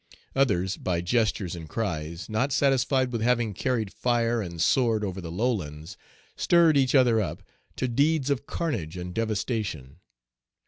Others, by gestures and cries, not satisfied with having carried fire and sword over the lowlands, stirred each other up to deeds of carnage and devastation.